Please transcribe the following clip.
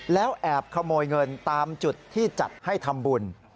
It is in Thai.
แล้วแอบขโมยเงินตามจุดที่จัดให้ทำบุญ